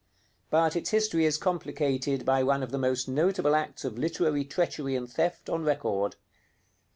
But its history is complicated by one of the most notable acts of literary treachery and theft on record.